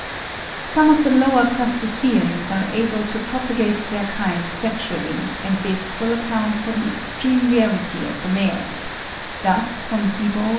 Some of the lower Crustaceans are able to propagate their kind sexually, and this will account for the extreme rarity of the males; thus von Siebold (93.